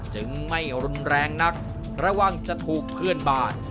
จึงไม่รุนแรงนักระวังจะถูกเพื่อนบ้าน